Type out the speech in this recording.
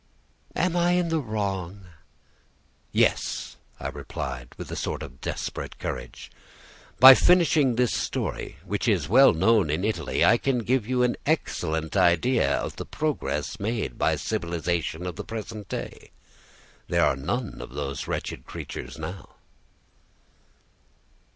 "Am I in the wrong?" "Yes," I replied, with a sort of desperate courage. "By finishing this story, which is well known in Italy, I can give you an excellent idea of the progress made by the civilization of the present day. There are none of those wretched creatures now."